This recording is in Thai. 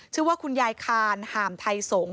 ชื่อว่าคุณยายคานหามไทยสงศ